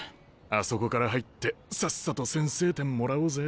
あそこから入ってさっさと先制点もらおうぜ。